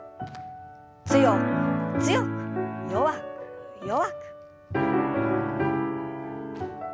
強く強く弱く弱く。